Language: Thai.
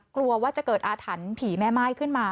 กลัวว่าจะเกิดอาถรรพ์ผีแม่ม่ายขึ้นมา